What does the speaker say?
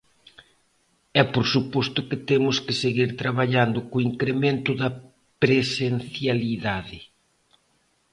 E por suposto que temos que seguir traballando co incremento da presencialidade.